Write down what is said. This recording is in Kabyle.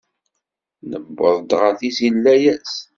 Newweḍ-d ɣer tizi n layas.